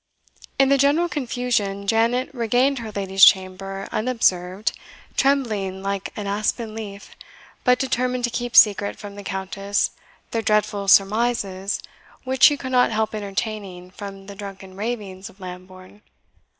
In the general confusion, Janet regained her lady's chamber unobserved, trembling like an aspen leaf, but determined to keep secret from the Countess the dreadful surmises which she could not help entertaining from the drunken ravings of Lambourne.